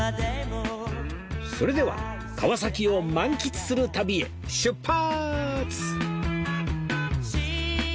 それでは川崎を満喫する旅へ出発！